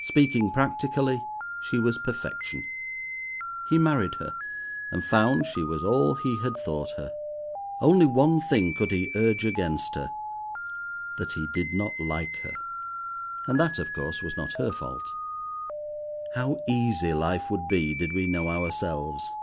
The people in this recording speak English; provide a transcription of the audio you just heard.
Speaking practically, she was perfection. He married her, and found she was all he had thought her. Only one thing could he urge against her—that he did not like her. And that, of course, was not her fault. How easy life would be did we know ourselves.